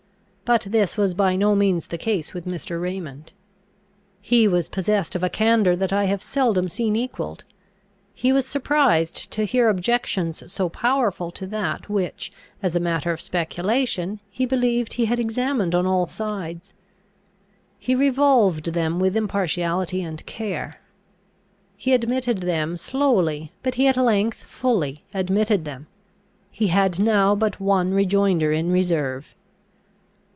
But this was by no means the case with Mr. Raymond. He was possessed of a candour that I have seldom seen equalled. He was surprised to hear objections so powerful to that which, as a matter of speculation, he believed he had examined on all sides. He revolved them with impartiality and care. He admitted them slowly, but he at length fully admitted them. He had now but one rejoinder in reserve.